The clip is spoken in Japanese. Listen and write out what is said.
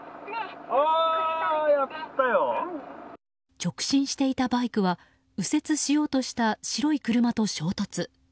直進していたバイクは右折しようとした白い車と衝突。